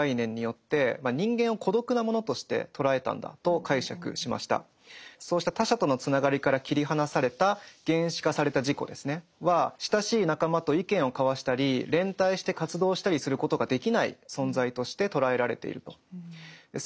アーレントによるとですねハイデガーはそうした他者とのつながりから切り離された「原子化された自己」は親しい仲間と意見を交わしたり連帯して活動したりすることができない存在として捉えられていると。